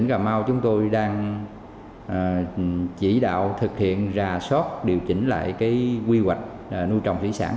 tỉnh cà mau chúng tôi đang chỉ đạo thực hiện ra sót điều chỉnh lại quy hoạch nuôi trồng sĩ sản